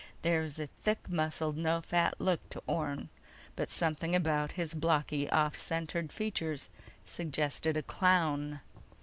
There was a thick muscled, no fat look to Orne, but something about his blocky, off center features suggested a clown.